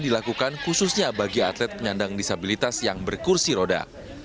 dilakukan khususnya bagi atlet penyandang disabilitas yang berkursi roda